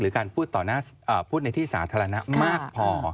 หรือการพูดในที่สาธารณะมากพอ